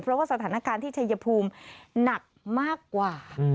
เพราะว่าสถานการณ์ที่ชัยภูมิหนักมากกว่า